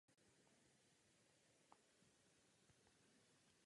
Tento starověký řecký vědec a filozof dal základ vzniku zoologie.